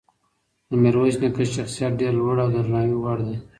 د میرویس نیکه شخصیت ډېر لوړ او د درناوي وړ دی.